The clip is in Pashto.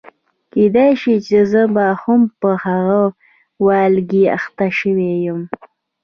کېدای شي زه به هم په هغه والګي اخته شوې یم.